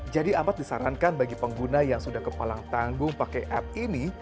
jadi amat disarankan bagi pengguna yang sudah kepalang tanggung pakai app ini